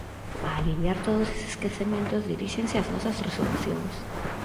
A aliviar todos eses esquecementos diríxense as nosas resolucións.